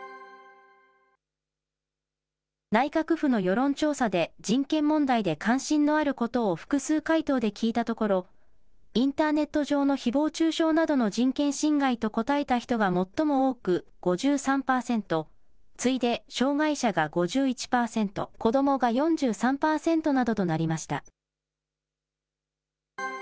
内閣府の世論調査で、人権問題で関心のあることを複数回答で聞いたところ、インターネット上のひぼう中傷などの人権侵害と答えた人が最も多く５３％、次いで障害者が５１％、子どもが４３％などとなりました。